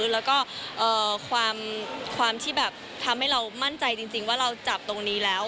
แล้วก็ความที่แบบทำให้เรามั่นใจจริงว่าเราจับตรงนี้แล้ว